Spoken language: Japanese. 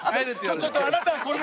ちょっとあなたはこれで帰って。